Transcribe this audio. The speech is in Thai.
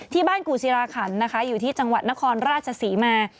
ที่บ้านกู่ซีลาขันนะคะอยู่ที่จังหวัดนครราชศรีมา